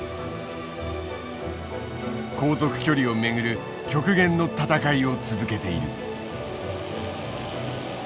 航続距離をめぐる極限の闘いを続けている。